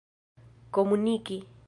komuniki